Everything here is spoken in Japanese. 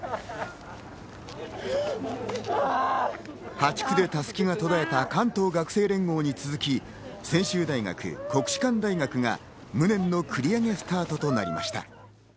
８区で襷が途絶えた関東学生連合に続き専修大学、国士舘大学が無念の繰り上げスタートとなりました。